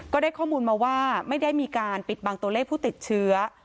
ก็ได้ข้อมูลมาว่าไม่ได้มีการปิดบังตัวเลขผู้ติดเชื้อ